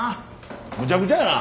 むちゃくちゃやな。